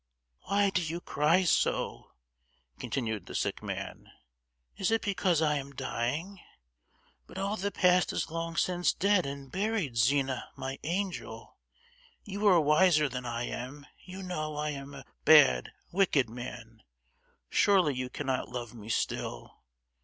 "Why do you cry so?" continued the sick man. "Is it because I am dying? but all the past is long since dead and buried, Zina, my angel! You are wiser than I am, you know I am a bad, wicked man; surely you cannot love me still?